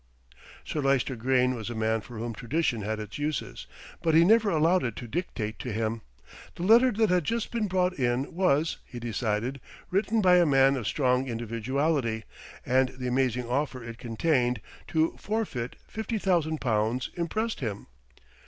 Sir Lyster Grayne was a man for whom tradition had its uses; but he never allowed it to dictate to him. The letter that had just been brought in was, he decided, written by a man of strong individuality, and the amazing offer it contained, to forfeit fifty thousand pounds, impressed him.